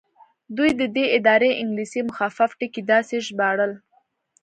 دوی د دې ادارې انګلیسي مخفف ټکي داسې ژباړل.